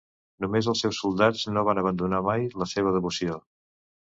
Només els seus soldats no van abandonar mai la seva devoció.